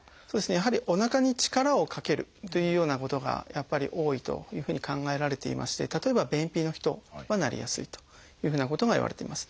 やはりおなかに力をかけるというようなことがやっぱり多いというふうに考えられていまして例えば便秘の人はなりやすいというふうなことがいわれています。